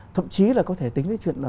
thậm chí là có thể tính đến chuyện đó